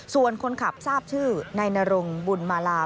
ส่วนคนขับทราบชื่อนายนรงบุญมาลา